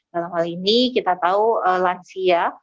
dalam hal ini kita tahu lansia